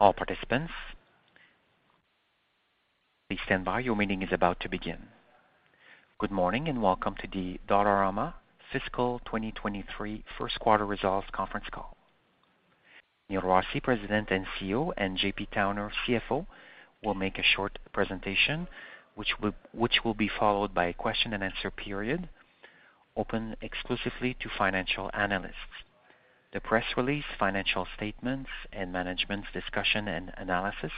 All participants, please stand by. Your meeting is about to begin. Good morning and welcome to the Dollarama Fiscal 2023 First Quarter Results Conference Call. Neil Rossy, President and CEO, and JP Towner, CFO, will make a short presentation which will be followed by a question-and-answer period open exclusively to financial analysts. The press release, financial statements and management's discussion and analysis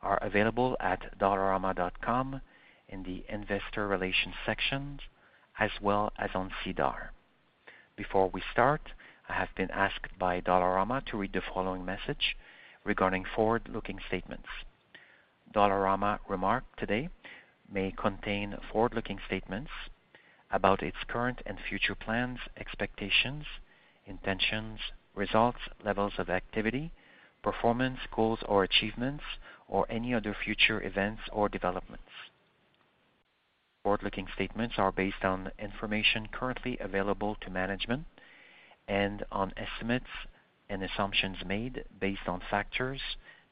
are available at dollarama.com in the investor relations section as well as on SEDAR. Before we start, I have been asked by Dollarama to read the following message regarding forward-looking statements. Dollarama remarks today may contain forward-looking statements about its current and future plans, expectations, intentions, results, levels of activity, performance, goals or achievements, or any other future events or developments. Forward-looking statements are based on information currently available to management and on estimates and assumptions made based on factors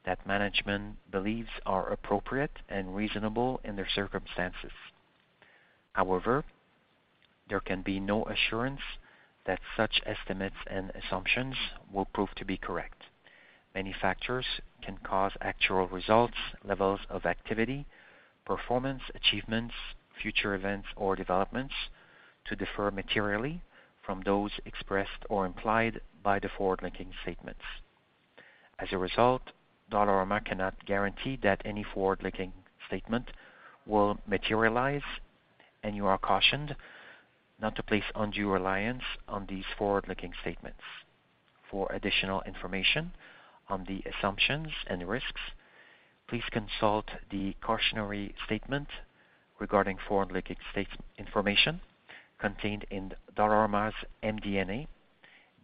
that management believes are appropriate and reasonable in their circumstances. However, there can be no assurance that such estimates and assumptions will prove to be correct. Many factors can cause actual results, levels of activity, performance, achievements, future events or developments to differ materially from those expressed or implied by the forward-looking statements. As a result, Dollarama cannot guarantee that any forward-looking statement will materialize, and you are cautioned not to place undue reliance on these forward-looking statements. For additional information on the assumptions and risks, please consult the cautionary statement regarding forward-looking statement information contained in Dollarama's MD&A,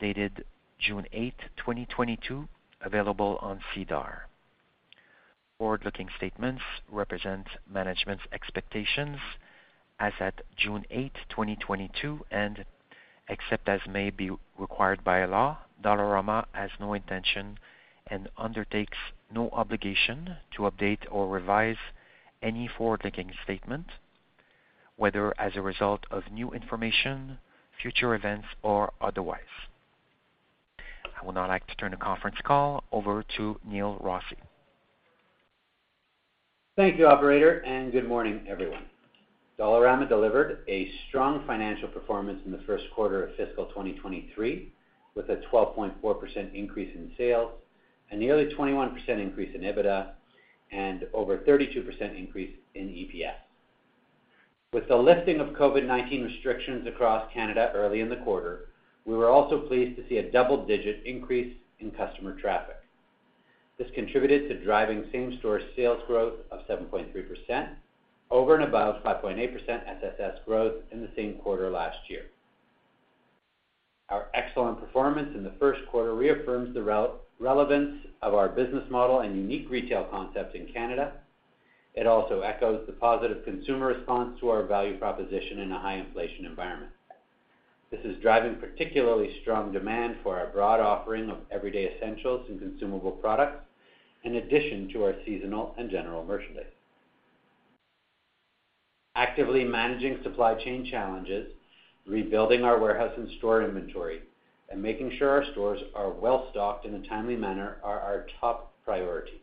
dated June 8, 2022, available on SEDAR. Forward-looking statements represent management's expectations as at June 8, 2022, and except as may be required by law, Dollarama has no intention and undertakes no obligation to update or revise any forward-looking statement, whether as a result of new information, future events or otherwise. I would now like to turn the conference call over to Neil Rossy. Thank you, operator, and good morning, everyone. Dollarama delivered a strong financial performance in the first quarter of fiscal 2023, with a 12.4% increase in sales, a nearly 21% increase in EBITDA, and over 32% increase in EPS. With the lifting of COVID-19 restrictions across Canada early in the quarter, we were also pleased to see a double-digit increase in customer traffic. This contributed to driving same-store sales growth of 7.3% over and above 5.8% SSS growth in the same quarter last year. Our excellent performance in the first quarter reaffirms the relevance of our business model and unique retail concept in Canada. It also echoes the positive consumer response to our value proposition in a high-inflation environment. This is driving particularly strong demand for our broad offering of everyday essentials and consumable products, in addition to our seasonal and general merchandise. Actively managing supply chain challenges, rebuilding our warehouse and store inventory, and making sure our stores are well-stocked in a timely manner are our top priorities.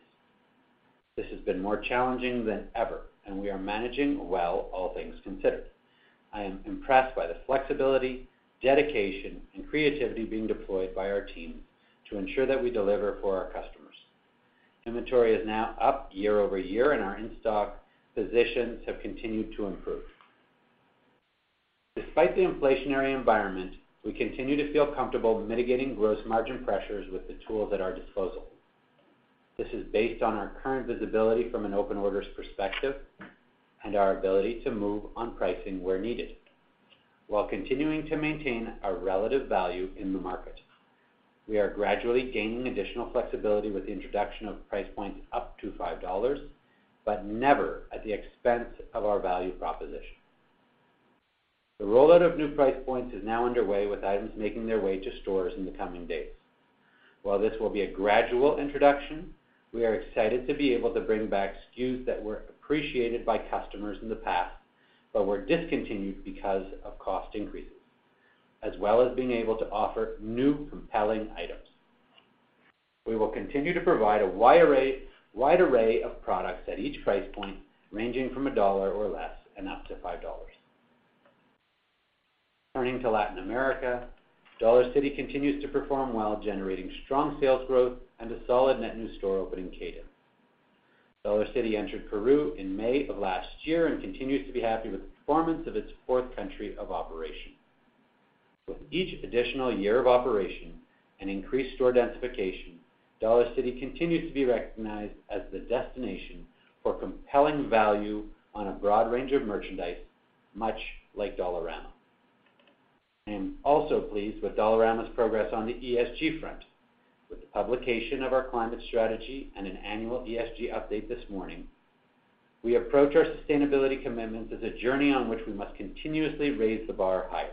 This has been more challenging than ever and we are managing well all things considered. I am impressed by the flexibility, dedication and creativity being deployed by our team to ensure that we deliver for our customers. Inventory is now up year-over-year and our in-stock positions have continued to improve. Despite the inflationary environment, we continue to feel comfortable mitigating gross margin pressures with the tools at our disposal. This is based on our current visibility from an open orders perspective and our ability to move on pricing where needed, while continuing to maintain our relative value in the market. We are gradually gaining additional flexibility with the introduction of price points up to 5 dollars, but never at the expense of our value proposition. The rollout of new price points is now underway, with items making their way to stores in the coming days. While this will be a gradual introduction, we are excited to be able to bring back SKUs that were appreciated by customers in the past but were discontinued because of cost increases, as well as being able to offer new compelling items. We will continue to provide a wide array of products at each price point, ranging from CAD 1 or less and up to 5 dollars. Turning to Latin America, Dollarcity continues to perform well, generating strong sales growth and a solid net new store opening cadence. Dollarcity entered Peru in May of last year and continues to be happy with the performance of its fourth country of operation. With each additional year of operation and increased store densification, Dollarcity continues to be recognized as the destination for compelling value on a broad range of merchandise, much like Dollarama. I am also pleased with Dollarama's progress on the ESG front. With the publication of our climate strategy and an annual ESG update this morning, we approach our sustainability commitments as a journey on which we must continuously raise the bar higher.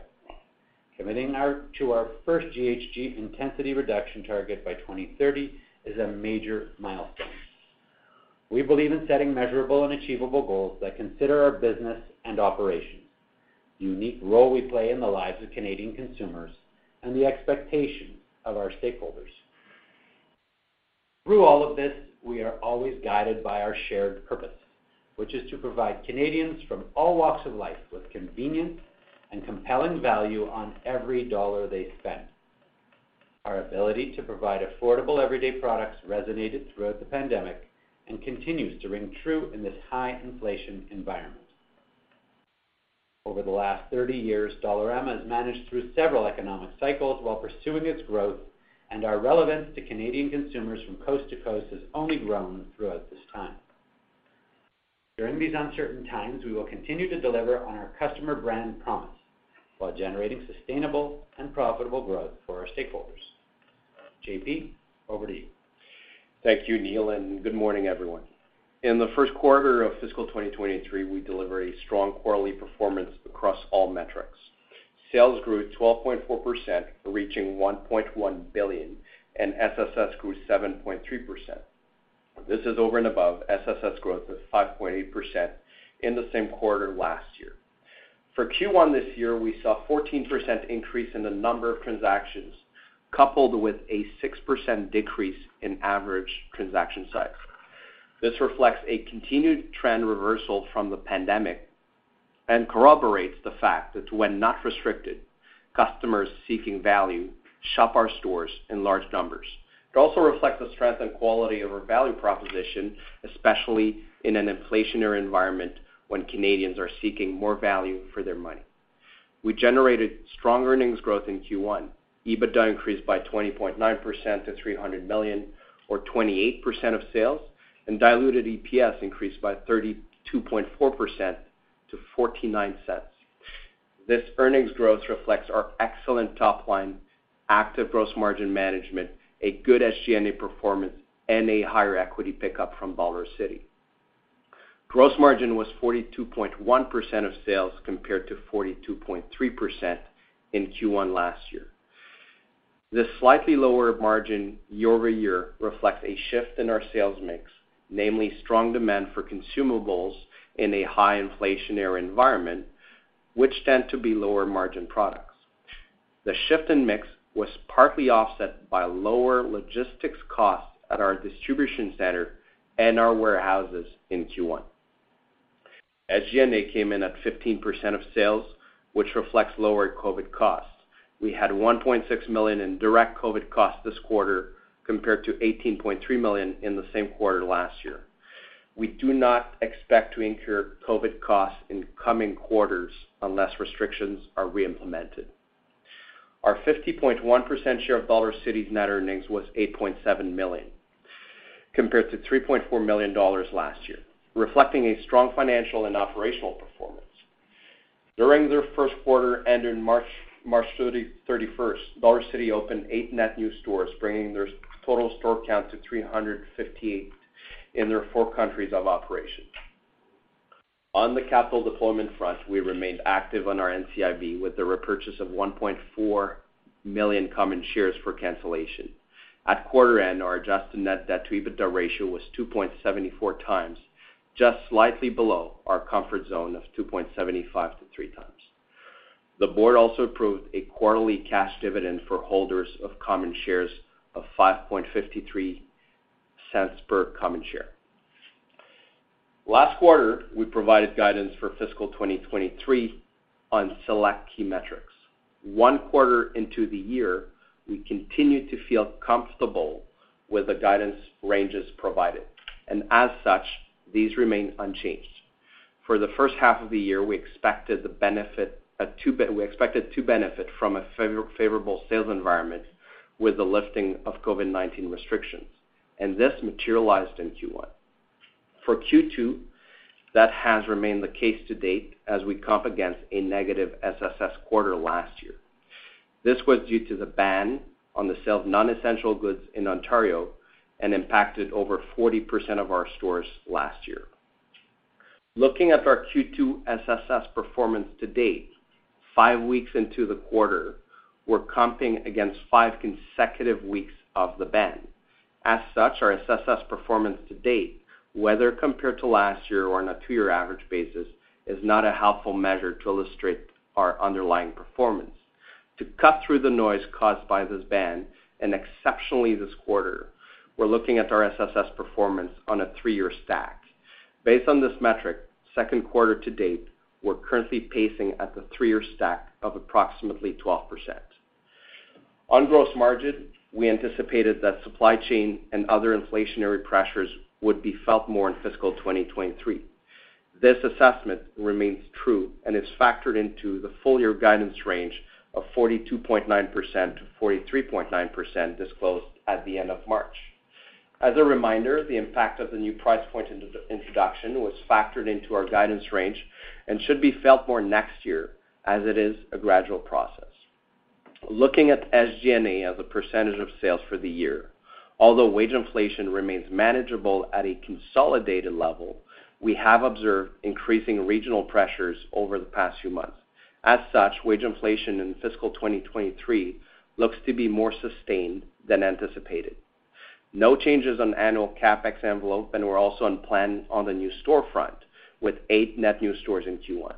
Committing ourselves to our first GHG intensity reduction target by 2030 is a major milestone. We believe in setting measurable and achievable goals that consider our business and operations, the unique role we play in the lives of Canadian consumers, and the expectation of our stakeholders. Through all of this, we are always guided by our shared purpose, which is to provide Canadians from all walks of life with convenience and compelling value on every dollar they spend. Our ability to provide affordable everyday products resonated throughout the pandemic and continues to ring true in this high-inflation environment. Over the last 30 years, Dollarama has managed through several economic cycles while pursuing its growth, and our relevance to Canadian consumers from coast to coast has only grown throughout this time. During these uncertain times, we will continue to deliver on our customer brand promise while generating sustainable and profitable growth for our stakeholders. JP, over to you. Thank you, Neil, and good morning, everyone. In the first quarter of fiscal 2023, we delivered a strong quarterly performance across all metrics. Sales grew 12.4%, reaching 1.1 billion, and SSS grew 7.3%. This is over and above SSS growth of 5.8% in the same quarter last year. For Q1 this year, we saw 14% increase in the number of transactions coupled with a 6% decrease in average transaction size. This reflects a continued trend reversal from the pandemic and corroborates the fact that when not restricted, customers seeking value shop our stores in large numbers. It also reflects the strength and quality of our value proposition, especially in an inflationary environment when Canadians are seeking more value for their money. We generated strong earnings growth in Q1. EBITDA increased by 20.9% to 300 million, or 28% of sales, and diluted EPS increased by 32.4% to 0.49. This earnings growth reflects our excellent top line, active gross margin management, a good SG&A performance, and a higher equity pickup from Dollarcity. Gross margin was 42.1% of sales compared to 42.3% in Q1 last year. This slightly lower margin year-over-year reflects a shift in our sales mix, namely strong demand for consumables in a high inflationary environment which tend to be lower margin products. The shift in mix was partly offset by lower logistics costs at our distribution center and our warehouses in Q1. SG&A came in at 15% of sales, which reflects lower COVID costs. We had 1.6 million in direct COVID costs this quarter, compared to 18.3 million in the same quarter last year. We do not expect to incur COVID costs in coming quarters unless restrictions are reimplemented. Our 50.1% share of Dollarcity's net earnings was 8.7 million, compared to 3.4 million dollars last year, reflecting a strong financial and operational performance. During their first quarter and in March 31st, Dollarcity opened eight net new stores, bringing their total store count to 358 in their four countries of operation. On the capital deployment front, we remained active on our NCIB with the repurchase of 1.4 million common shares for cancellation. At quarter end, our adjusted net debt to EBITDA ratio was 2.74x, just slightly below our comfort zone of 2.75x-3x. The board also approved a quarterly cash dividend for holders of common shares of 5.53 per common share. Last quarter, we provided guidance for fiscal 2023 on select key metrics. One quarter into the year, we continue to feel comfortable with the guidance ranges provided. As such, these remain unchanged. For the first half of the year, we expected to benefit from a favorable sales environment with the lifting of COVID-19 restrictions, and this materialized in Q1. For Q2, that has remained the case to date as we comp against a negative SSS quarter last year. This was due to the ban on the sale of non-essential goods in Ontario and impacted over 40% of our stores last year. Looking at our Q2 SSS performance to date, five weeks into the quarter, we're comping against five consecutive weeks of the ban. As such, our SSS performance to date, whether compared to last year or on a two-year average basis, is not a helpful measure to illustrate our underlying performance. To cut through the noise caused by this ban, and exceptionally this quarter, we're looking at our SSS performance on a three-year stack. Based on this metric, second quarter to date, we're currently pacing at the three-year stack of approximately 12%. On gross margin, we anticipated that supply chain and other inflationary pressures would be felt more in fiscal 2023. This assessment remains true and is factored into the full year guidance range of 42.9%-43.9% disclosed at the end of March. As a reminder, the impact of the new price point introduction was factored into our guidance range and should be felt more next year as it is a gradual process. Looking at SG&A as a percentage of sales for the year. Although wage inflation remains manageable at a consolidated level, we have observed increasing regional pressures over the past few months. As such, wage inflation in fiscal 2023 looks to be more sustained than anticipated. No changes on annual CapEx envelope, and we're also on plan on the new storefront with eight net new stores in Q1,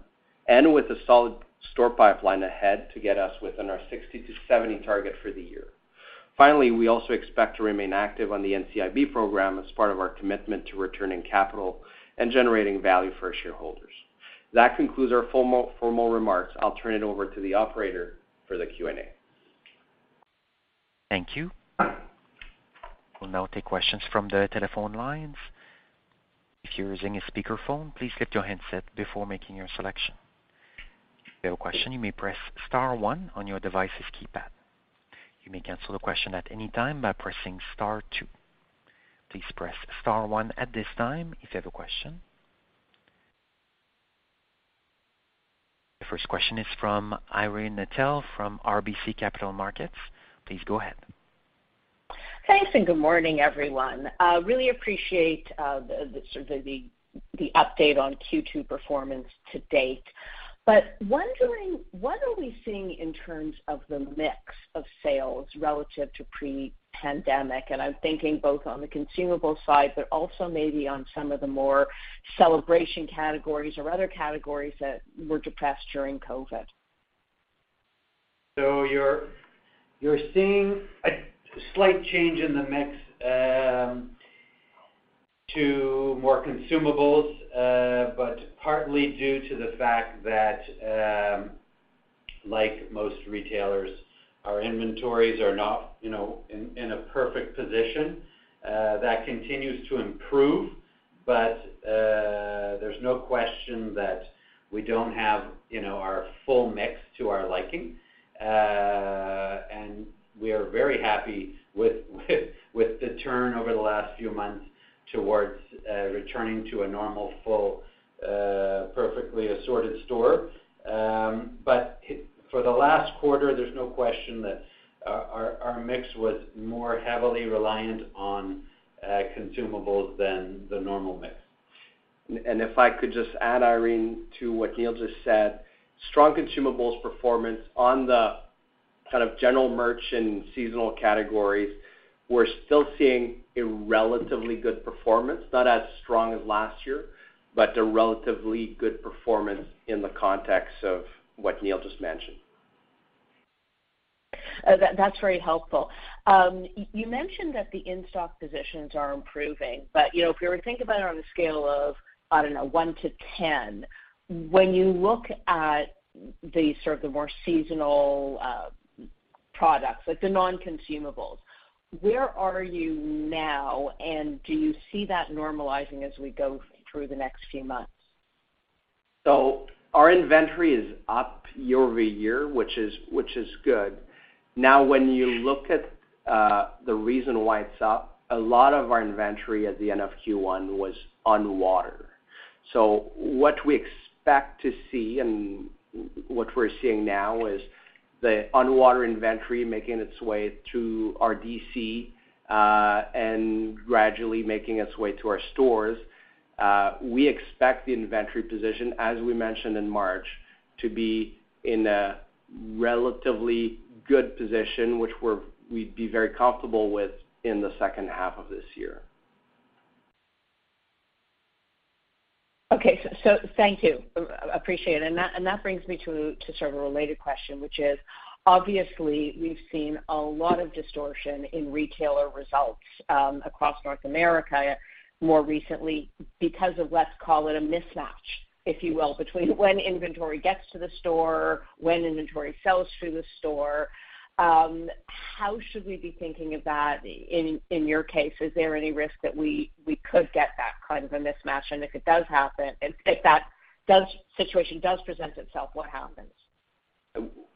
and with a solid store pipeline ahead to get us within our 60-70 target for the year. Finally, we also expect to remain active on the NCIB program as part of our commitment to returning capital and generating value for our shareholders. That concludes our formal remarks. I'll turn it over to the operator for the Q&A. Thank you. We'll now take questions from the telephone lines. If you're using a speakerphone, please lift your handset before making your selection. If you have a question, you may press star one on your device's keypad. You may cancel the question at any time by pressing star two. Please press star one at this time if you have a question. The first question is from Irene Nattel from RBC Capital Markets. Please go ahead. Thanks and good morning, everyone. Really appreciate the sort of update on Q2 performance to date. Wondering, what are we seeing in terms of the mix of sales relative to pre-pandemic? I'm thinking both on the consumable side, but also maybe on some of the more celebration categories or other categories that were depressed during COVID. You're seeing a slight change in the mix to more consumables, but partly due to the fact that, like most retailers, our inventories are not, you know, in a perfect position. That continues to improve, but there's no question that we don't have, you know, our full mix to our liking. We are very happy with the turn over the last few months towards returning to a normal full, perfectly assorted store. For the last quarter, there's no question that our mix was more heavily reliant on consumables than the normal mix. If I could just add, Irene, to what Neil just said, strong consumables performance on the kind of general merch and seasonal categories. We're still seeing a relatively good performance, not as strong as last year, but a relatively good performance in the context of what Neil just mentioned. That's very helpful. You mentioned that the in-stock positions are improving, but you know, if we were to think about it on a scale of, I don't know, one to ten, when you look at the sort of more seasonal products, like the non-consumables, where are you now, and do you see that normalizing as we go through the next few months? Our inventory is up year-over-year, which is good. Now, when you look at the reason why it's up, a lot of our inventory at the end of Q1 was on water. What we expect to see and what we're seeing now is the on-water inventory making its way to our DC and gradually making its way to our stores. We expect the inventory position, as we mentioned in March, to be in a relatively good position, which we'd be very comfortable with in the second half of this year. Okay. Thank you. Appreciate it. That brings me to sort of a related question, which is, obviously, we've seen a lot of distortion in retailer results across North America more recently because of, let's call it a mismatch, if you will, between when inventory gets to the store, when inventory sells through the store. How should we be thinking about in your case? Is there any risk that we could get that kind of a mismatch? If it does happen, if that situation does present itself, what happens?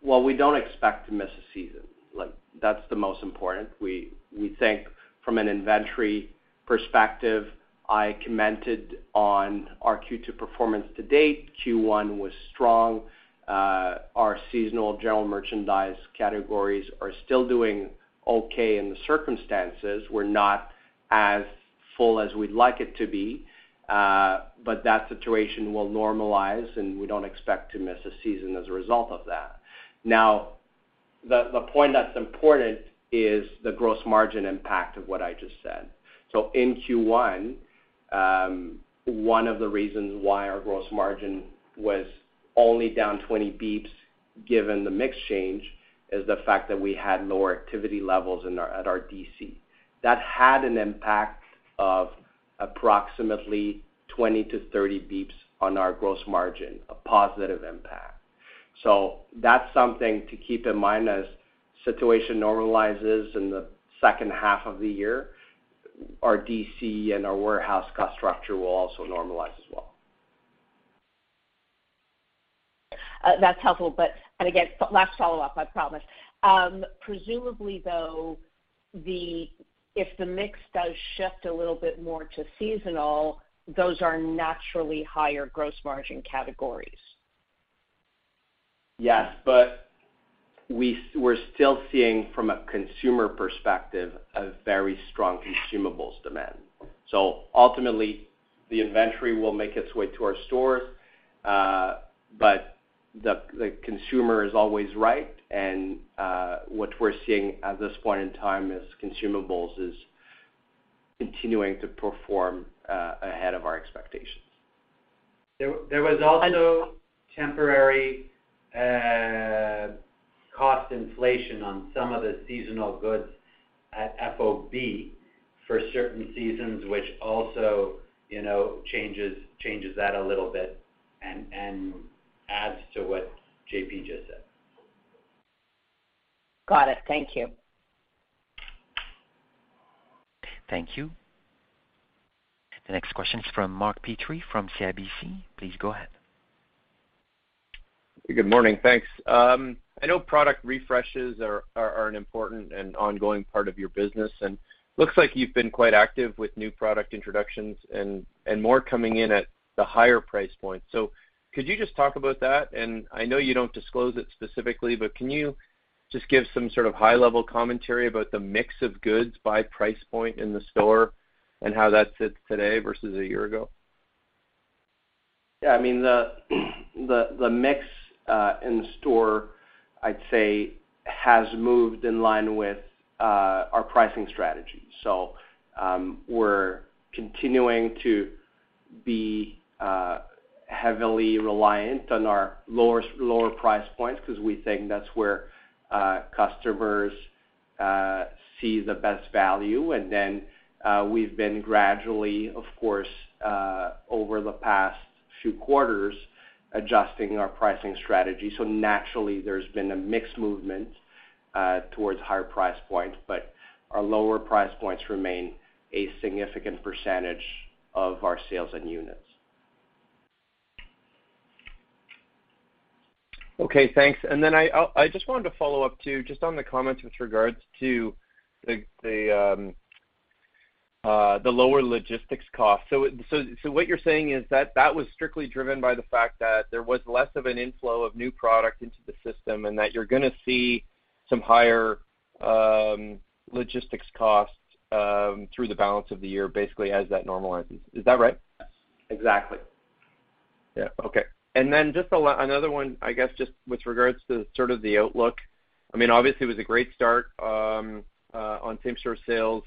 Well, we don't expect to miss a season. Like, that's the most important. We think from an inventory perspective, I commented on our Q2 performance to date. Q1 was strong. Our seasonal general merchandise categories are still doing okay in the circumstances. We're not as full as we'd like it to be, but that situation will normalize, and we don't expect to miss a season as a result of that. Now, the point that's important is the gross margin impact of what I just said. In Q1, one of the reasons why our gross margin was only down 20 basis points, given the mix change, is the fact that we had lower activity levels at our DC. That had an impact of approximately 20-30 basis points on our gross margin, a positive impact. That's something to keep in mind as the situation normalizes in the second half of the year. Our DC and our warehouse cost structure will also normalize as well. That's helpful. Again, last follow-up, I promise. Presumably, though, if the mix does shift a little bit more to seasonal, those are naturally higher gross margin categories. Yes, we're still seeing from a consumer perspective, a very strong consumables demand. Ultimately, the inventory will make its way to our stores, but the consumer is always right. What we're seeing at this point in time is consumables is continuing to perform ahead of our expectations. There was also temporary cost inflation on some of the seasonal goods at FOB for certain seasons, which also, you know, changes that a little bit and adds to what JP just said. Got it. Thank you. Thank you. The next question is from Mark Petrie from CIBC. Please go ahead. Good morning. Thanks. I know product refreshes are an important and ongoing part of your business, and looks like you've been quite active with new product introductions and more coming in at the higher price point. Could you just talk about that? I know you don't disclose it specifically, but can you just give some sort of high-level commentary about the mix of goods by price point in the store and how that sits today versus a year ago? Yeah. I mean, the mix in the store, I'd say, has moved in line with our pricing strategy. We're continuing to be heavily reliant on our lower price points because we think that's where customers see the best value. We've been gradually, of course, over the past few quarters, adjusting our pricing strategy. Naturally, there's been a mix movement towards higher price points, but our lower price points remain a significant percentage of our sales and units. Okay, thanks. I just wanted to follow up, too, just on the comments with regards to the lower logistics costs. What you're saying is that was strictly driven by the fact that there was less of an inflow of new product into the system, and that you're gonna see some higher logistics costs through the balance of the year, basically as that normalizes. Is that right? Exactly. Yeah. Okay. Just another one, I guess, just with regards to sort of the outlook. I mean, obviously it was a great start on same-store sales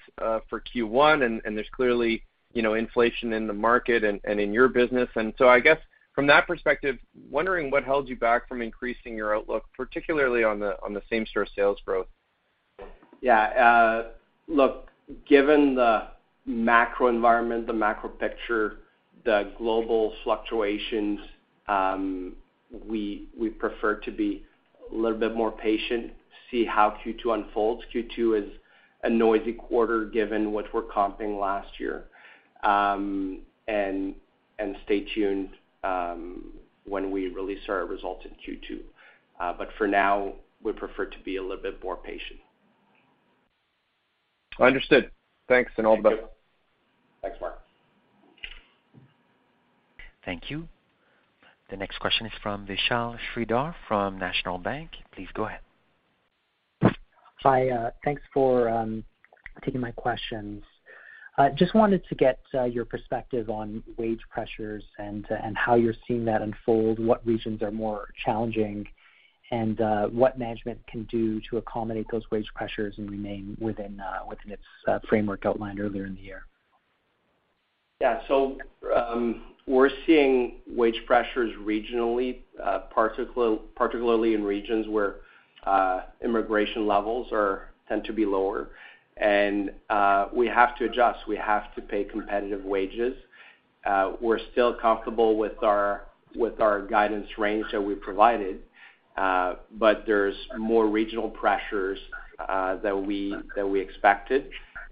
for Q1, and there's clearly, you know, inflation in the market and in your business. I guess from that perspective, wondering what held you back from increasing your outlook, particularly on the same store sales growth? Yeah. Look, given the macro environment, the macro picture, the global fluctuations, we prefer to be a little bit more patient to see how Q2 unfolds. Q2 is a noisy quarter given what we're comping last year. Stay tuned when we release our results in Q2. For now, we prefer to be a little bit more patient. Understood. Thanks, and all the best. Thank you. Thanks, Mark. Thank you. The next question is from Vishal Shreedhar from National Bank. Please go ahead. Hi. Thanks for taking my questions. I just wanted to get your perspective on wage pressures and how you're seeing that unfold, what regions are more challenging, and what management can do to accommodate those wage pressures and remain within its framework outlined earlier in the year. Yeah. We're seeing wage pressures regionally, particularly in regions where immigration levels tend to be lower. We have to adjust. We have to pay competitive wages. We're still comfortable with our guidance range that we provided, but there's more regional pressures than we expected,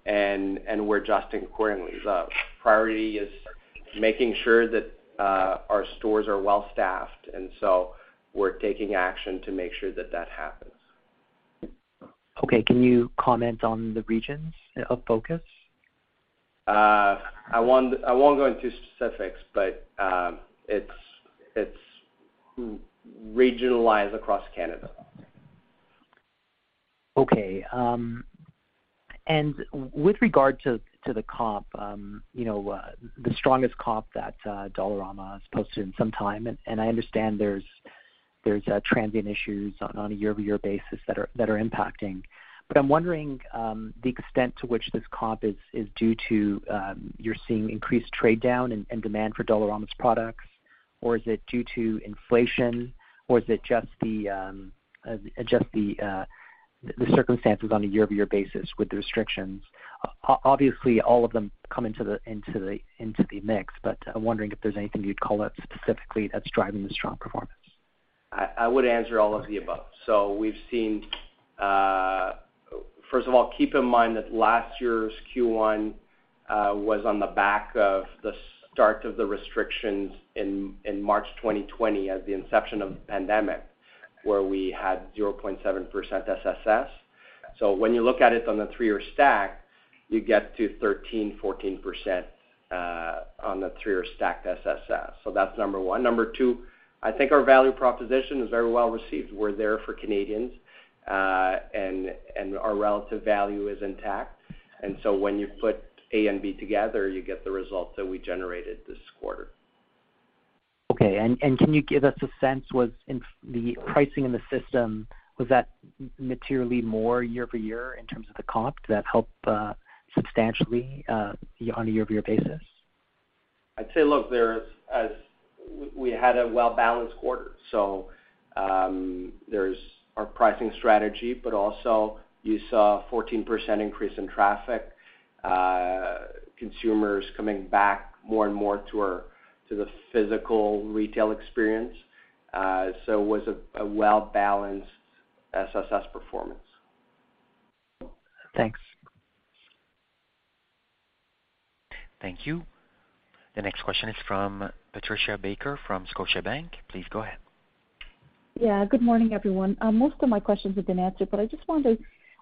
and we're adjusting accordingly. The priority is making sure that our stores are well-staffed, and so we're taking action to make sure that happens. Okay. Can you comment on the regions of focus? I won't go into specifics, but it's regionalized across Canada. Okay. With regard to the comp, you know, the strongest comp that Dollarama has posted in some time, and I understand there's transient issues on a year-over-year basis that are impacting. I'm wondering the extent to which this comp is due to you're seeing increased trade down and demand for Dollarama's products, or is it due to inflation, or is it just the circumstances on a year-over-year basis with the restrictions? Obviously, all of them come into the mix, but I'm wondering if there's anything you'd call out specifically that's driving the strong performance. I would answer all of the above. We've seen, first of all, keep in mind that last year's Q1 was on the back of the start of the restrictions in March 2020 as the inception of the pandemic, where we had 0.7% SSS. When you look at it on the three-year stack, you get to 13%-14% on the three-year stacked SSS. That's number one. Number two, I think our value proposition is very well received. We're there for Canadians, and our relative value is intact. When you put A and B together, you get the results that we generated this quarter. Can you give us a sense, was the pricing in the system, was that materially more year-over-year in terms of the comp? Did that help substantially on a year-over-year basis? I'd say, look, we had a well-balanced quarter. There's our pricing strategy, but also you saw a 14% increase in traffic, consumers coming back more and more to the physical retail experience. It was a well-balanced SSS performance. Thanks. Thank you. The next question is from Patricia Baker from Scotiabank. Please go ahead. Yeah. Good morning, everyone. Most of my questions have been answered, but I just wanted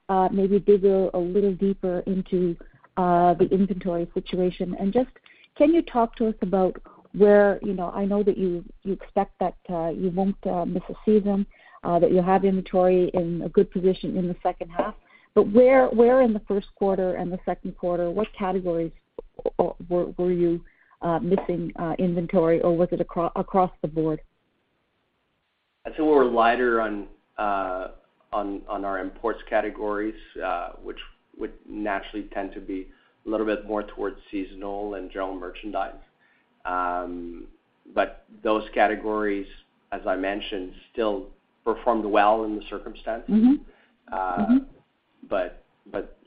to maybe dig a little deeper into the inventory situation. Just, can you talk to us about where, you know, I know that you expect that you won't miss a season, that you have inventory in a good position in the second half. Where in the first quarter and the second quarter, what categories or were you missing inventory? Or was it across the board? I'd say we're lighter on our imports categories, which would naturally tend to be a little bit more towards seasonal and general merchandise. Those categories, as I mentioned, still performed well in the circumstances. Mm-hmm. Mm-hmm.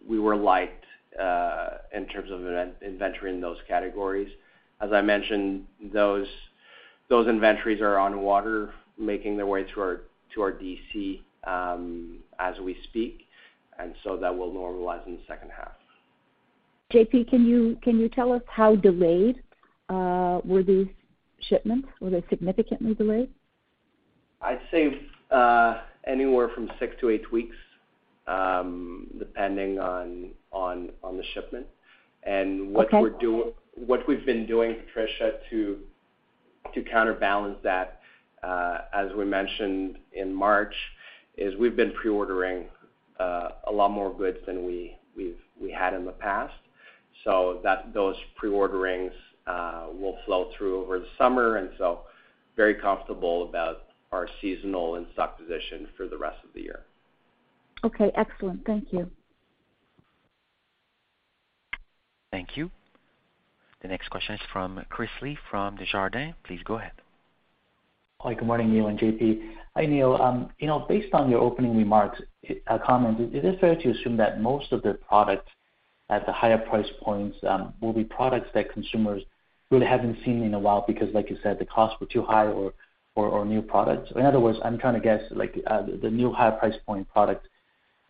We were light in terms of inventory in those categories. As I mentioned, those inventories are on the water, making their way to our DC as we speak, and so that will normalize in the second half. JP, can you tell us how delayed were these shipments? Were they significantly delayed? I'd say anywhere from six to eight weeks, depending on the shipment. Okay. What we've been doing, Patricia, to counterbalance that, as we mentioned in March, is we've been pre-ordering a lot more goods than we had in the past. Those pre-orderings will flow through over the summer, and so very comfortable about our seasonal and stock position for the rest of the year. Okay, excellent. Thank you. Thank you. The next question is from Chris Li from Desjardins. Please go ahead. Hi, good morning, Neil and JP. Hi, Neil. You know, based on your opening remarks, comment, is it fair to assume that most of the products at the higher price points, will be products that consumers really haven't seen in a while? Because like you said, the costs were too high or new products. In other words, I'm trying to guess like, the new higher price point products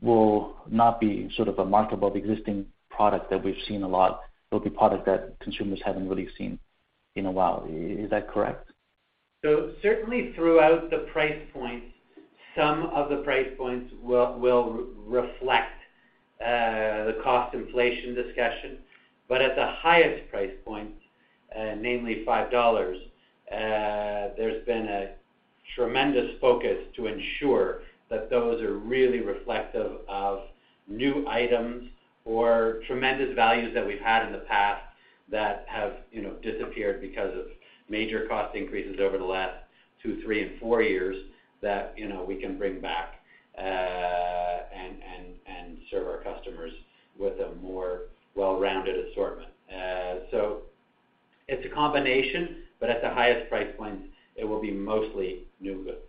will not be sort of a mark above existing product that we've seen a lot. It'll be product that consumers haven't really seen in a while. Is that correct? Certainly throughout the price points, some of the price points will reflect the cost inflation discussion. At the highest price point, namely 5 dollars, there's been a tremendous focus to ensure that those are really reflective of new items or tremendous values that we've had in the past that have, you know, disappeared because of major cost increases over the last two, three, and four years that, you know, we can bring back and serve our customers with a more well-rounded assortment. It's a combination. At the highest price point, it will be mostly new goods.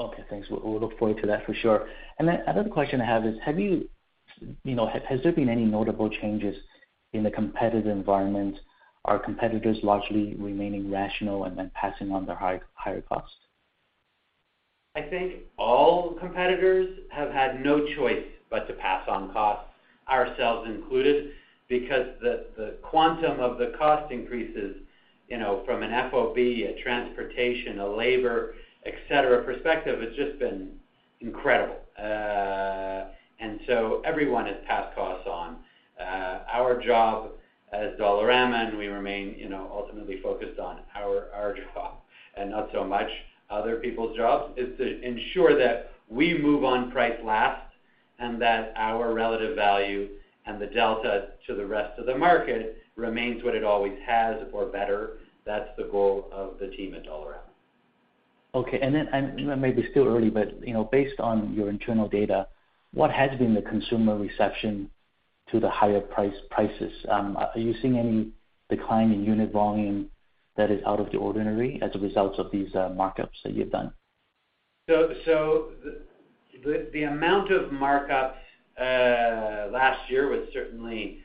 Okay, thanks. We look forward to that for sure. Another question I have is, have you know, has there been any notable changes in the competitive environment? Are competitors largely remaining rational and then passing on their higher costs? I think all competitors have had no choice but to pass on costs, ourselves included, because the quantum of the cost increases, you know, from an FOB, a transportation, a labor, et cetera, perspective, has just been incredible. Everyone has passed costs on. Our job as Dollarama, and we remain, you know, ultimately focused on our job and not so much other people's jobs, is to ensure that we move on price last and that our relative value and the delta to the rest of the market remains what it always has or better. That's the goal of the team at Dollarama. It may be still early, but you know, based on your internal data, what has been the consumer reception to the higher price, prices? Are you seeing any decline in unit volume that is out of the ordinary as a result of these markups that you've done? The amount of markups last year was certainly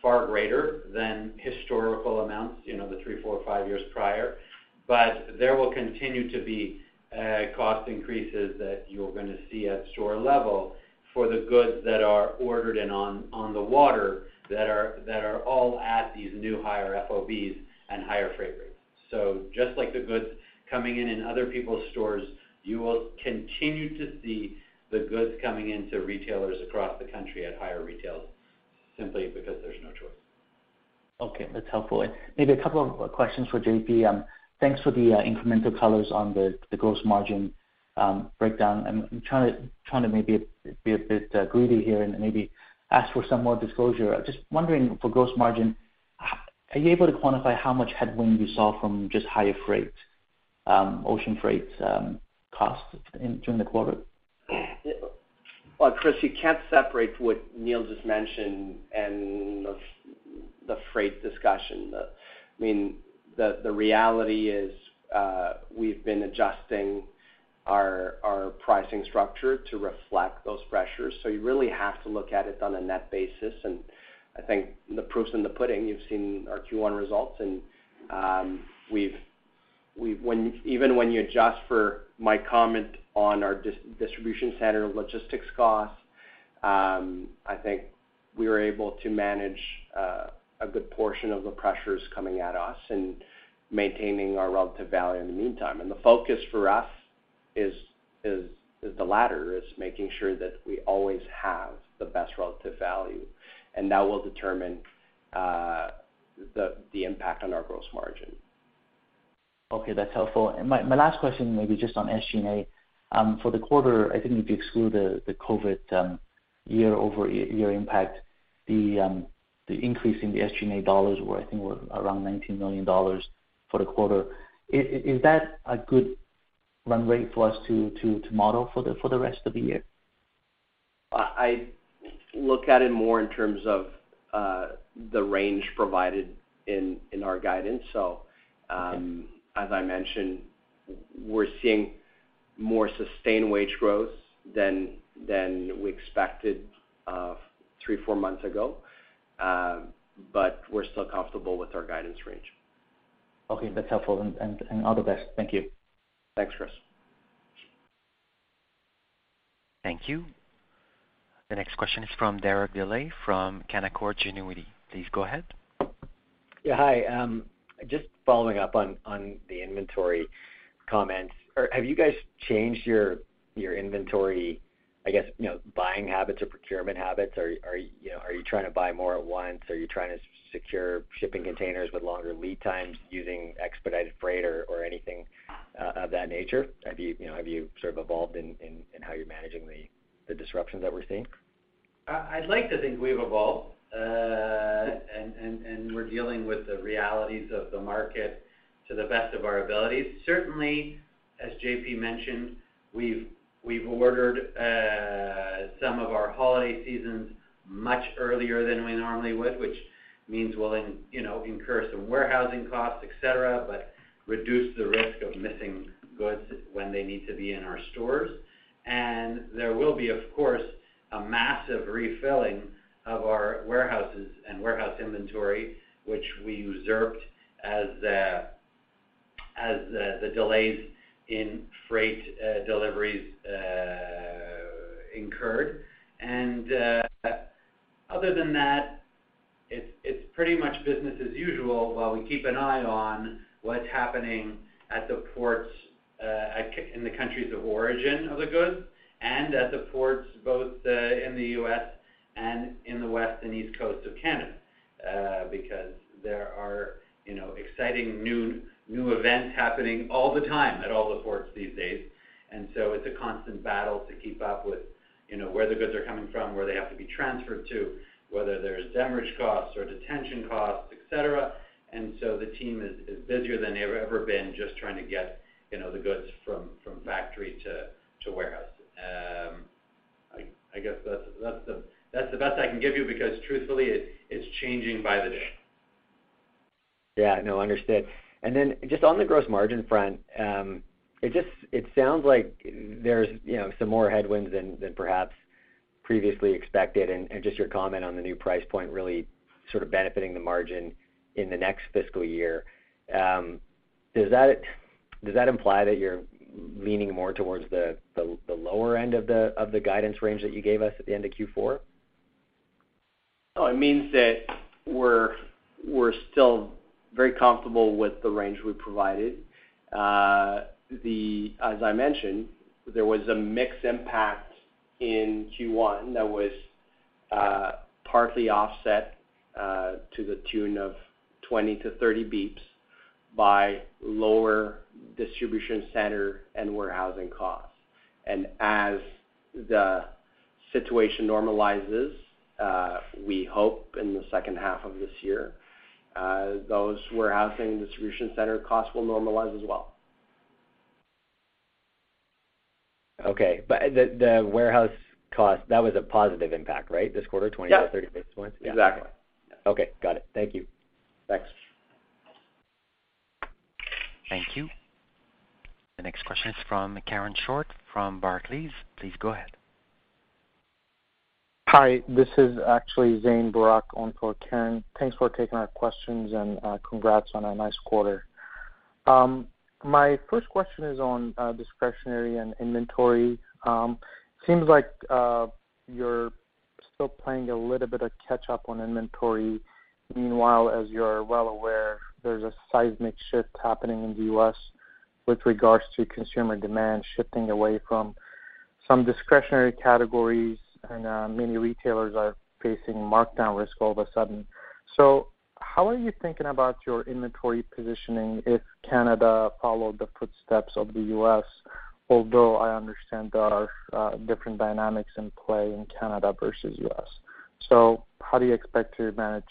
far greater than historical amounts, you know, the three, four, five years prior. There will continue to be cost increases that you're gonna see at store level for the goods that are ordered and on the water that are all at these new higher FOBs and higher freight rates. Just like the goods coming in in other people's stores, you will continue to see the goods coming into retailers across the country at higher retails simply because there's no choice. Okay, that's helpful. Maybe a couple of questions for JP. Thanks for the incremental colors on the gross margin breakdown. I'm trying to maybe be a bit greedy here and maybe ask for some more disclosure. Just wondering for gross margin, are you able to quantify how much headwind you saw from just higher freight ocean freight costs during the quarter? Well, Chris, you can't separate what Neil just mentioned and the freight discussion. I mean, the reality is, we've been adjusting our pricing structure to reflect those pressures. You really have to look at it on a net basis. I think the proof's in the pudding. You've seen our Q1 results, and even when you adjust for my comment on our distribution center logistics costs, I think we are able to manage a good portion of the pressures coming at us and maintaining our relative value in the meantime. The focus for us is the latter, making sure that we always have the best relative value, and that will determine the impact on our gross margin. Okay, that's helpful. My last question may be just on SG&A. For the quarter, I think if you exclude the COVID year-over-year impact, the increase in the SG&A dollars were, I think, around CAD 19 million for the quarter. Is that a good run rate for us to model for the rest of the year? I look at it more in terms of the range provided in our guidance. As I mentioned, we're seeing more sustained wage growth than we expected three, four months ago. We're still comfortable with our guidance range. Okay, that's helpful. All the best. Thank you. Thanks, Chris. Thank you. The next question is from Derek Dley from Canaccord Genuity. Please go ahead. Yeah. Hi. Just following up on the inventory comments. Have you guys changed your inventory, I guess, you know, buying habits or procurement habits? You know, are you trying to buy more at once? Are you trying to secure shipping containers with longer lead times using expedited freight or anything of that nature? You know, have you sort of evolved in how you're managing the disruptions that we're seeing? I'd like to think we've evolved, and we're dealing with the realities of the market to the best of our abilities. Certainly, as JP mentioned, we've ordered some of our holiday seasons much earlier than we normally would, which means we'll then, you know, incur some warehousing costs, et cetera, but reduce the risk of missing goods when they need to be in our stores. There will be, of course, a massive refilling of our warehouses and warehouse inventory, which we used up as the delays in freight deliveries incurred. Other than that, it's pretty much business as usual while we keep an eye on what's happening at the ports in the countries of origin of the goods and at the ports both in the U.S. and on the West and East Coast of Canada because there are, you know, exciting new events happening all the time at all the ports these days. It's a constant battle to keep up with, you know, where the goods are coming from, where they have to be transferred to, whether there's demurrage costs or detention costs, et cetera. The team is busier than they've ever been just trying to get, you know, the goods from factory to warehouse. I guess that's the best I can give you because truthfully, it's changing by the day. Yeah. No, understood. Then just on the gross margin front, it sounds like there's, you know, some more headwinds than perhaps previously expected. Just your comment on the new price point really sort of benefiting the margin in the next fiscal year. Does that imply that you're leaning more towards the lower end of the guidance range that you gave us at the end of Q4? No, it means that we're still very comfortable with the range we provided. As I mentioned, there was a mix impact in Q1 that was partly offset to the tune of 20-30 basis points by lower distribution center and warehousing costs. As the situation normalizes, we hope in the second half of this year, those warehousing distribution center costs will normalize as well. Okay. The warehouse cost, that was a positive impact, right? This quarter, 20-30 basis points. Yeah. Exactly. Okay. Got it. Thank you. Thanks. Thank you. The next question is from Karen Short from Barclays. Please go ahead. Hi, this is actually Zane [Brock] on for Karen. Thanks for taking our questions, and congrats on a nice quarter. My first question is on discretionary and inventory. Seems like your- Still playing a little bit of catch up on inventory. Meanwhile, as you're well aware, there's a seismic shift happening in the U.S. with regards to consumer demand shifting away from some discretionary categories and many retailers are facing markdown risk all of a sudden. How are you thinking about your inventory positioning if Canada followed the footsteps of the U.S., although I understand there are different dynamics in play in Canada versus U.S. How do you expect to manage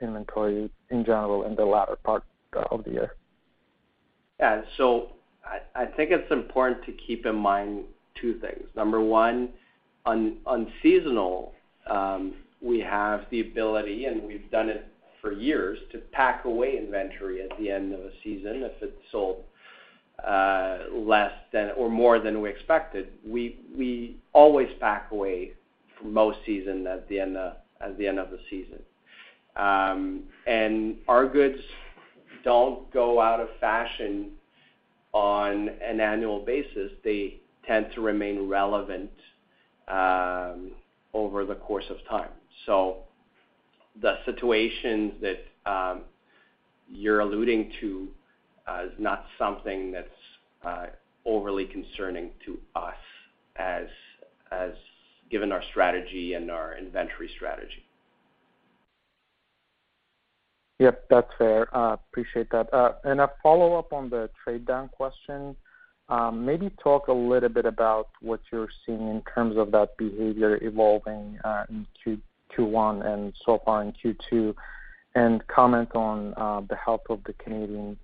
inventory in general in the latter part of the year? Yeah. I think it's important to keep in mind two things. Number one, on seasonal, we have the ability, and we've done it for years, to pack away inventory at the end of a season if it's sold less than or more than we expected. We always pack away for most season at the end of the season. Our goods don't go out of fashion on an annual basis. They tend to remain relevant over the course of time. The situation that you're alluding to is not something that's overly concerning to us given our strategy and our inventory strategy. Yep, that's fair. Appreciate that. A follow-up on the trade-down question. Maybe talk a little bit about what you're seeing in terms of that behavior evolving in Q1 and so far in Q2, and comment on the health of the Canadian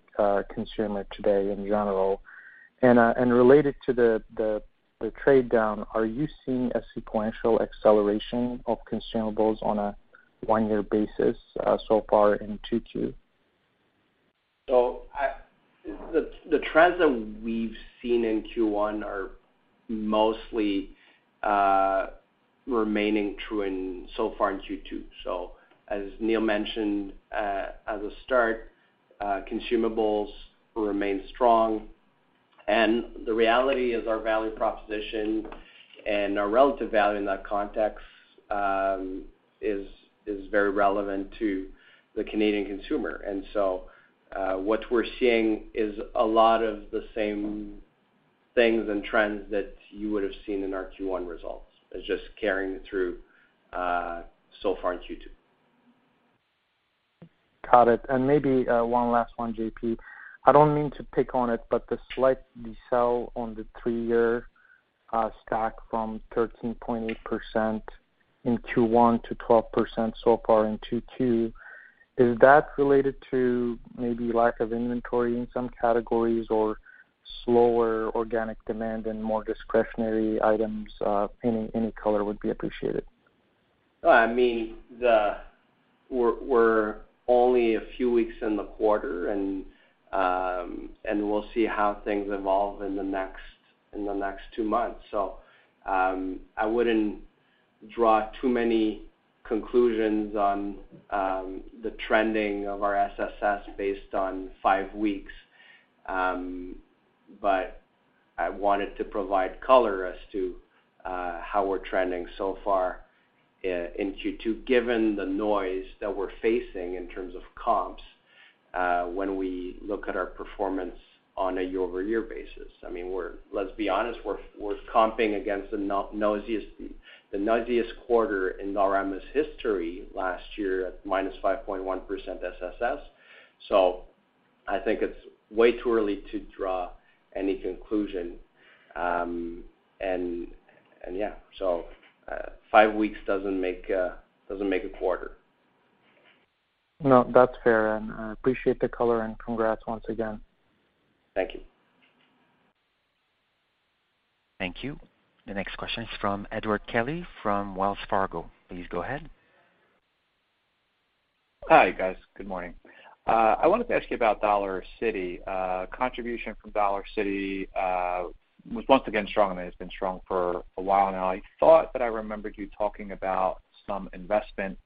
consumer today in general. Related to the trade down, are you seeing a sequential acceleration of consumables on a one-year basis so far in Q2? The trends that we've seen in Q1 are mostly remaining true so far in Q2. As Neil mentioned, as a start, consumables will remain strong. The reality is our value proposition and our relative value in that context is very relevant to the Canadian consumer. What we're seeing is a lot of the same things and trends that you would have seen in our Q1 results. It's just carrying through so far in Q2. Got it. Maybe, one last one, JP. I don't mean to pick on it, but the slight decel on the three-year stack from 13.8% in Q1 to 12% so far in Q2, is that related to maybe lack of inventory in some categories or slower organic demand and more discretionary items? Any color would be appreciated. I mean, we're only a few weeks in the quarter, and we'll see how things evolve in the next two months. I wouldn't draw too many conclusions on the trending of our SSS based on five weeks. I wanted to provide color as to how we're trending so far in Q2, given the noise that we're facing in terms of comps when we look at our performance on a year-over-year basis. I mean, let's be honest, we're comping against the nosiest quarter in Dollarama's history last year at -5.1% SSS. I think it's way too early to draw any conclusion. Five weeks doesn't make a quarter. No, that's fair. I appreciate the color and congrats once again. Thank you. Thank you. The next question is from Edward Kelly from Wells Fargo. Please go ahead. Hi, guys. Good morning. I wanted to ask you about Dollarcity. Contribution from Dollarcity was once again strong. I mean, it's been strong for a while now. I thought that I remembered you talking about some investment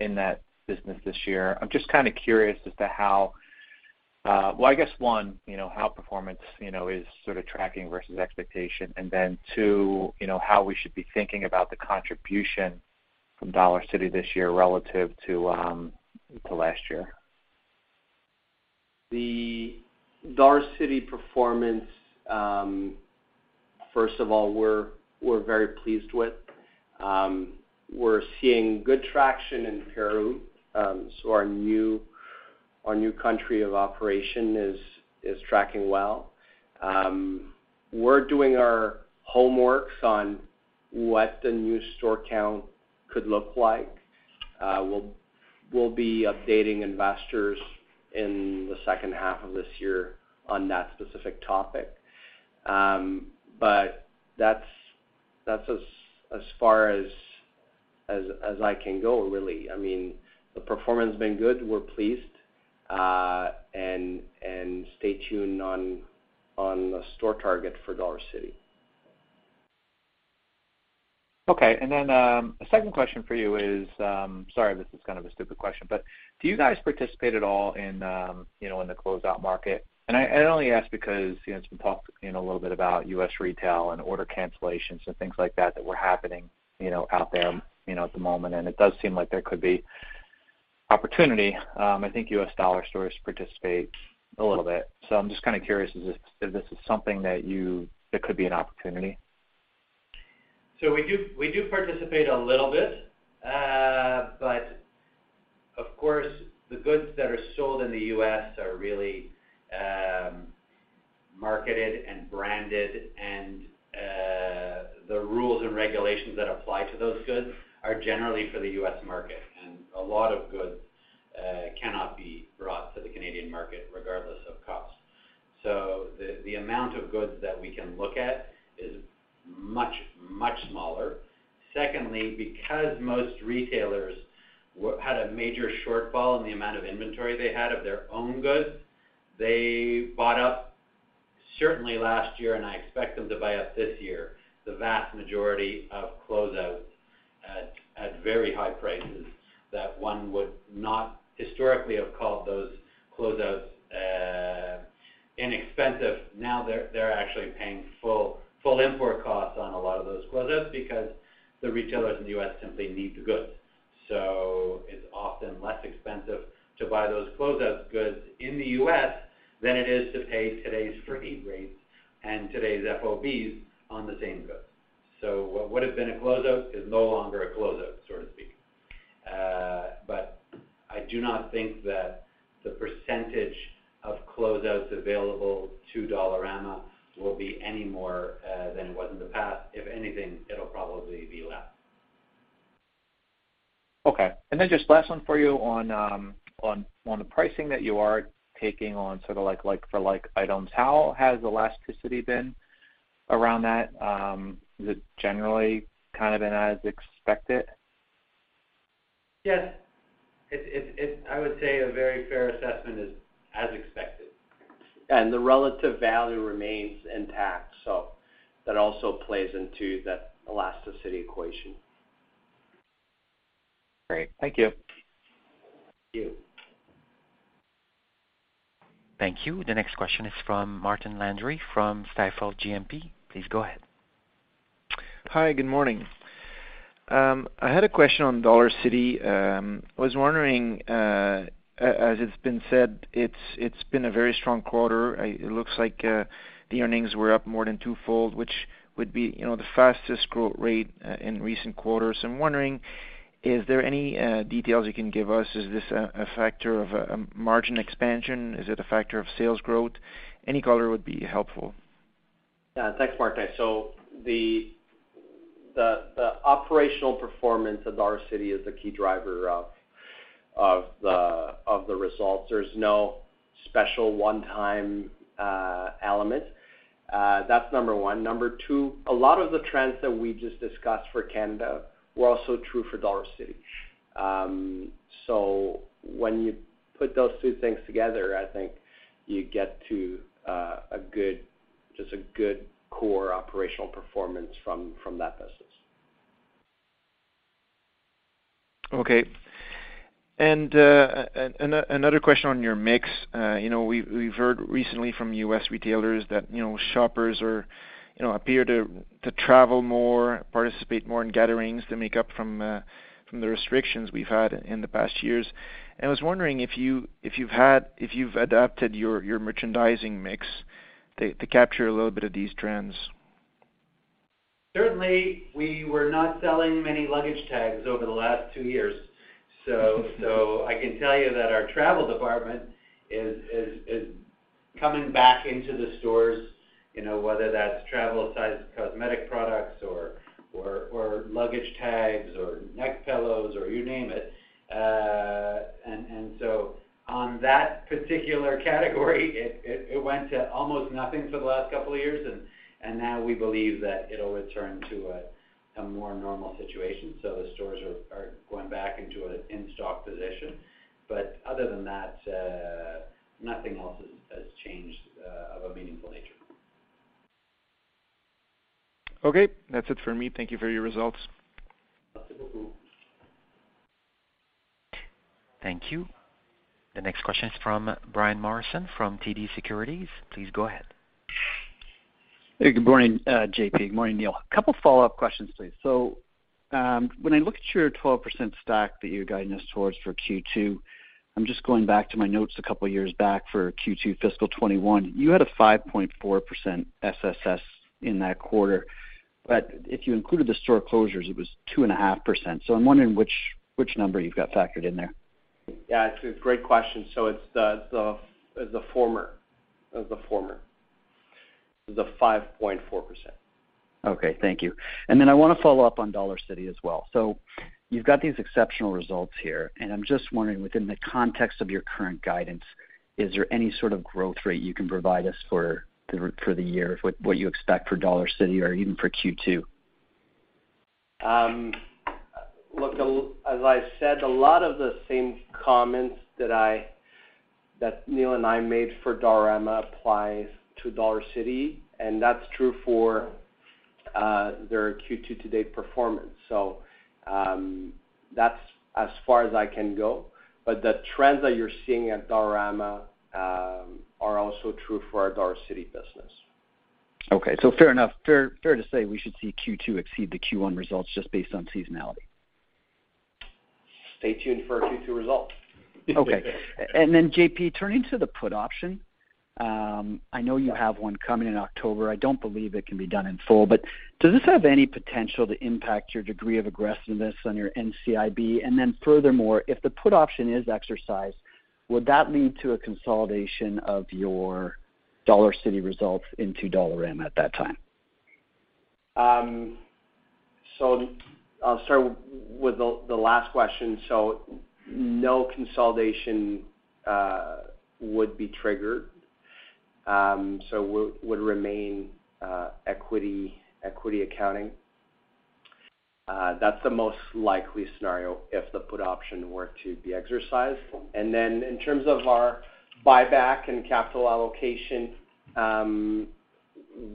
in that business this year. I'm just kind of curious as to how, well, I guess, one, you know, how performance, you know, is sort of tracking versus expectation, and then two, you know, how we should be thinking about the contribution from Dollarcity this year relative to to last year. The Dollarcity performance, first of all, we're very pleased with. We're seeing good traction in Peru. Our new country of operation is tracking well. We're doing our homework on what the new store count could look like. We'll be updating investors in the second half of this year on that specific topic. That's as far as I can go, really. I mean, the performance has been good. We're pleased, and stay tuned on the store target for Dollarcity. Okay. A second question for you is, sorry if this is kind of a stupid question, but do you guys participate at all in, you know, in the closeout market? I only ask because, you know, there's been talk, you know, a little bit about U.S. retail and order cancellations and things like that that were happening, you know, out there, you know, at the moment, and it does seem like there could be Opportunity. I think U.S. dollar stores participate a little bit. I'm just kind of curious if this is something that could be an opportunity. We do participate a little bit. Of course, the goods that are sold in the U.S. are really marketed and branded, and the rules and regulations that apply to those goods are generally for the U.S. market. A lot of goods cannot be brought to the Canadian market regardless of cost. The amount of goods that we can look at is much, much smaller. Secondly, because most retailers had a major shortfall in the amount of inventory they had of their own goods, they bought up certainly last year, and I expect them to buy up this year, the vast majority of closeouts at very high prices that one would not historically have called those closeouts inexpensive. They're actually paying full import costs on a lot of those closeouts because the retailers in the U.S. simply need the goods. It's often less expensive to buy those closeout goods in the U.S. than it is to pay today's freight rates and today's FOBs on the same goods. What would have been a closeout is no longer a closeout, so to speak. I do not think that the percentage of closeouts available to Dollarama will be any more than it was in the past. If anything, it'll probably be less. Okay. Just last one for you on the pricing that you are taking on sort of like for like items. How has elasticity been around that? Has it generally kind of been as expected? Yes. I would say a very fair assessment is as expected. The relative value remains intact, so that also plays into that elasticity equation. Great. Thank you. Thank you. Thank you. The next question is from Martin Landry from Stifel GMP. Please go ahead. Hi, good morning. I had a question on Dollarcity. I was wondering, as it's been said, it's been a very strong quarter. It looks like the earnings were up more than twofold, which would be, you know, the fastest growth rate in recent quarters. I'm wondering, is there any details you can give us? Is this a factor of margin expansion? Is it a factor of sales growth? Any color would be helpful. Thanks, Martin. The operational performance of Dollarcity is the key driver of the results. There's no special one-time element. That's number one. Number two, a lot of the trends that we just discussed for Canada were also true for Dollarcity. When you put those two things together, I think you get to a good core operational performance from that business. Okay. Another question on your mix. You know, we've heard recently from U.S. retailers that, you know, shoppers appear to travel more, participate more in gatherings to make up from the restrictions we've had in the past years. I was wondering if you've adapted your merchandising mix to capture a little bit of these trends? Certainly, we were not selling many luggage tags over the last two years. I can tell you that our travel department is coming back into the stores, you know, whether that's travel-sized cosmetic products or luggage tags, or neck pillows or you name it. And so on that particular category, it went to almost nothing for the last couple of years, and now we believe that it'll return to a more normal situation. The stores are going back into an in-stock position. Other than that, nothing else has changed of a meaningful nature. Okay. That's it for me. Thank you for your results. Thank you. The next question is from Brian Morrison from TD Securities. Please go ahead. Hey, good morning, JP. Good morning, Neil. A couple follow-up questions, please. When I look at your 12% stock that you're guiding us towards for Q2, I'm just going back to my notes a couple of years back for Q2 fiscal 2021. You had a 5.4% SSS in that quarter. But if you included the store closures, it was 2.5%. I'm wondering which number you've got factored in there. Yeah, it's a great question. It's the former. The 5.4%. Okay, thank you. Then I wanna follow up on Dollarcity as well. You've got these exceptional results here, and I'm just wondering, within the context of your current guidance, is there any sort of growth rate you can provide us for the year, what you expect for Dollarcity or even for Q2? Look, as I said, a lot of the same comments that Neil and I made for Dollarama applies to Dollarcity, and that's true for their Q2 to date performance. That's as far as I can go. The trends that you're seeing at Dollarama are also true for our Dollarcity business. Fair enough. Fair to say we should see Q2 exceed the Q1 results just based on seasonality. Stay tuned for our Q2 results. Okay. JP, turning to the put option, I know you have one coming in October. I don't believe it can be done in full, but does this have any potential to impact your degree of aggressiveness on your NCIB? Furthermore, if the put option is exercised, would that lead to a consolidation of your Dollarcity results into Dollarama at that time? I'll start with the last question. No consolidation would be triggered. Would remain equity accounting. That's the most likely scenario if the put option were to be exercised. In terms of our buyback and capital allocation,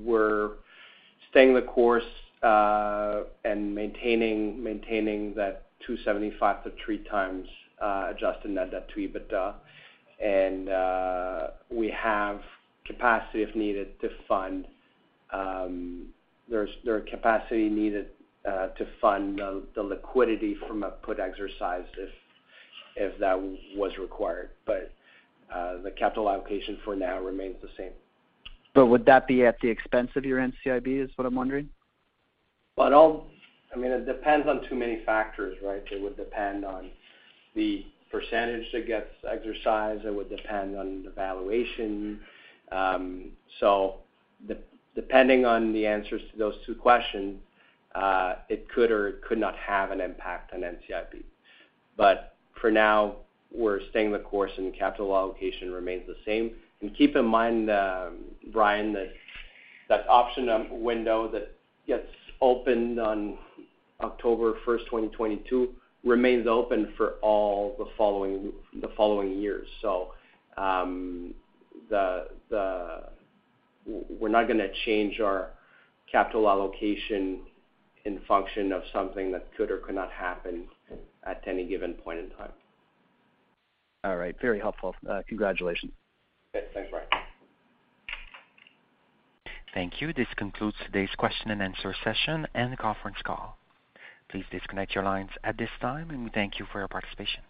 we're staying the course and maintaining that 2.75x-3x adjusted net debt to EBITDA. We have capacity, if needed, to fund the liquidity from a put exercise if that was required. The capital allocation for now remains the same. Would that be at the expense of your NCIB, is what I'm wondering? I mean, it depends on too many factors, right? It would depend on the percentage that gets exercised. It would depend on the valuation. Depending on the answers to those two questions, it could or could not have an impact on NCIB. For now, we're staying the course and the capital allocation remains the same. Keep in mind, Brian, that option window that gets opened on October 1st, 2022 remains open for all the following years. We're not gonna change our capital allocation in function of something that could or could not happen at any given point in time. All right. Very helpful. Congratulations. Okay. Thanks, Brian. Thank you. This concludes today's question and answer session and conference call. Please disconnect your lines at this time, and we thank you for your participation.